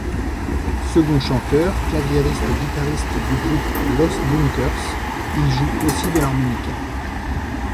Second chanteur, claviériste et guitariste du groupe Los Bunkers, il joue aussi de l'harmonica.